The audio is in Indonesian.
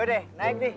ya udah naik nih yuk